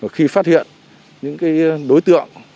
khi phát hiện những đối tượng